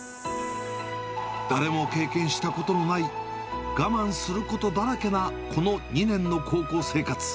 誰も経験したことのない、我慢することだらけなこの２年の高校生活。